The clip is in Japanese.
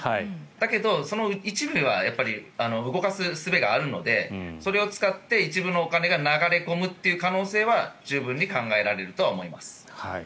だけど、その一部は動かすすべがあるのでそれを使って一部のお金が流れ込むという可能性は十分に考えられるとは思います。